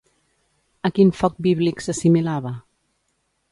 A quin foc bíblic s'assimilava?